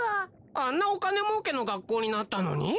あんなお金もうけの学校になったのに？